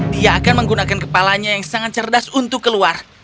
dia akan menggunakan kepalanya yang sangat cerdas untuk keluar